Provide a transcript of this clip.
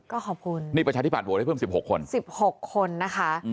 ก็ขอบคุณนี่ประชาธิบัตโหวตให้เพิ่ม๑๖คน๑๖คนนะคะ